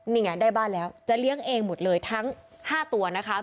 นี่ไงได้บ้านแล้วจะเลี้ยงเองหมดเลยทั้ง๕ตัวนะคะ